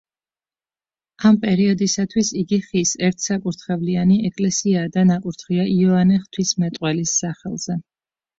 ამ პერიოდისათვის იგი ხის, ერთსაკურთხევლიანი ეკლესიაა და ნაკურთხია იოანე ღვთისმეტყველის სახელზე.